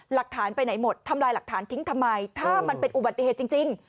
หลักฐานไปไหนหมดทำลายหลักฐานทิ้งทำไมถ้ามันเป็นอุบัติเหตุจริง